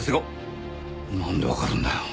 なんでわかるんだよ。